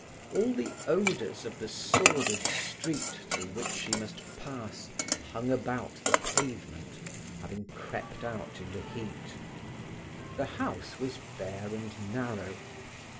All the odours of the sordid street through which she must pass hung about the pavement, having crept out in the heat. The house was bare and narrow.